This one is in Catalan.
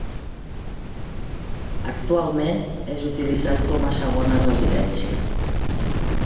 Actualment és utilitzat com a segona residència.